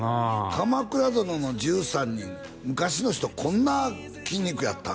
「鎌倉殿の１３人」昔の人こんな筋肉やったん？